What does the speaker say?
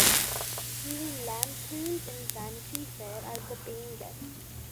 He was lampooned in "Vanity Fair" as "the paying Guest".